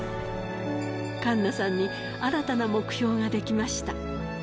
栞奈さんに、新たな目標ができました。